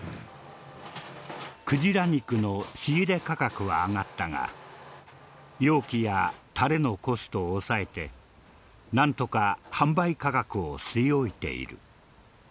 クジラ肉の仕入れ価格は上がったが容器やタレのコストを抑えてなんとか販売価格を据え置いている。